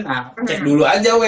nah cek dulu aja week